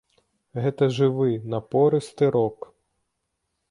Гэта жывы, напорысты рок.